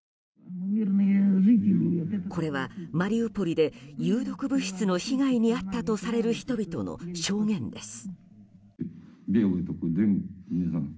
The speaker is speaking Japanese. これはマリウポリで有毒物質の被害に遭ったとされる人々の証言です。